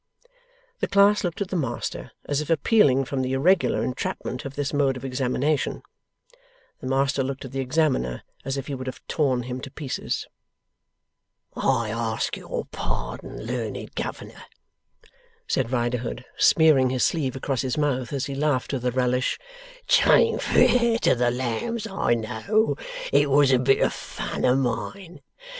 The class looked at the master, as if appealing from the irregular entrapment of this mode of examination. The master looked at the examiner, as if he would have torn him to pieces. 'I ask your pardon, learned governor,' said Riderhood, smearing his sleeve across his mouth as he laughed with a relish, 'tain't fair to the lambs, I know. It wos a bit of fun of mine.